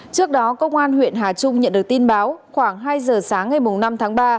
trước đó công an huyện hà trung nhận được tin báo khoảng hai giờ sáng ngày năm tháng ba